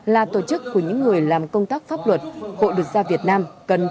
là tổ chức của những người làm công tác pháp luật hội luật gia việt nam cần